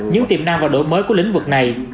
chính tiềm nam và đội mới của lĩnh vực này